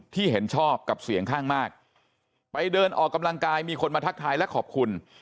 เห็นชอบกับเสียงข้างมากไปเดินออกกำลังกายมีคนมาทักทายและขอบคุณ